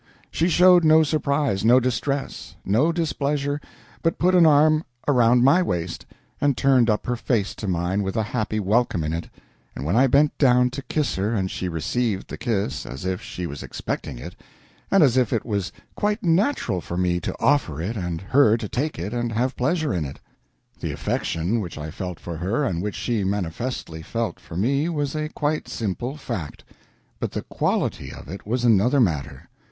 She showed no surprise, no distress, no displeasure, but put an arm around my waist, and turned up her face to mine with a happy welcome in it, and when I bent down to kiss her she received the kiss as if she was expecting it, and as if it was quite natural for me to offer it and her to take it and have pleasure in it. The affection which I felt for her and which she manifestly felt for me was a quite simple fact; but the quality of it was another matter.